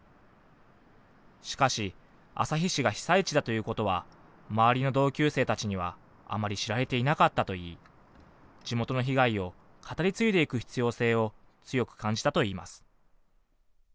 しかし、旭市が被災地だということは周りの同級生たちにはあまり知られていなかったといい地元の被害を語り継いでいく必要性を強く感じたといいます。